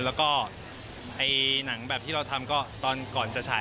แล้วก็หนังแบบที่เราทำก็ตอนก่อนจะฉาย